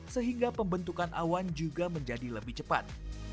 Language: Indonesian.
sehingga pembentukan awan juga menjadi lebih cepat